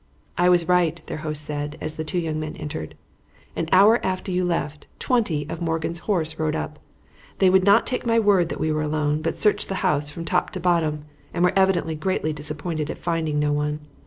"I was right," their host said, as the two young men entered. "An hour after you left twenty of Morgan's horse rode up here. They would not take my word that we were alone, but searched the house from top to bottom, and were evidently greatly disappointed at finding no one.